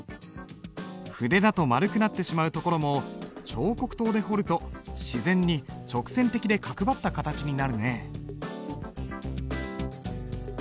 筆だと丸くなってしまうところも彫刻刀で彫ると自然に直線的で角張った形になるね。